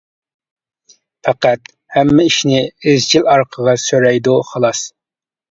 پەقەت ھەممە ئىشنى ئىزچىل ئارقىغا سۆرەيدۇ خالاس.